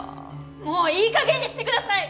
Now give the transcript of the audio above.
もういいかげんにしてください！